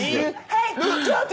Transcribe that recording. はい。